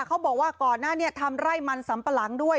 เขาบอกว่าก่อนหน้านี้ทำไร่มันสำปะหลังด้วย